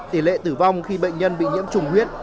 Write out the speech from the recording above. tỷ lệ tử vong khi bệnh nhân bị nhiễm trùng huyết